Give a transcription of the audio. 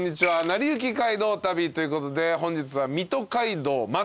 『なりゆき街道旅』ということで本日は。